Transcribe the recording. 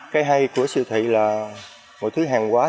cái hay của siêu thị là mọi thứ hàng quá